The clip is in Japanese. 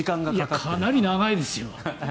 かなり長いですよ。